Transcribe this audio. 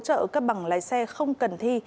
hay là hỗ trợ cấp bằng lái xe không cần thi